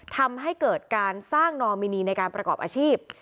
ทำให้เกิดการสร้างนอมินีในการประกอบอาชีพ